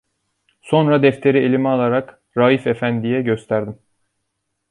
Sonra defteri elime alarak Raif efendiye gösterdim.